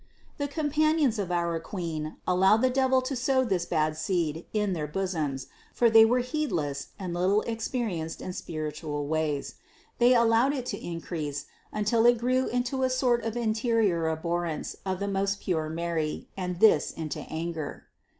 701. The companions of our Queen allowed the devil to sow this bad seed in their bosoms ; for they were heed less and little experienced in spiritual ways. They allowed 36 538 CITY OF GOD it to increase until it grew into a sort of interior abhor rence af the most pure Mary, and this into anger.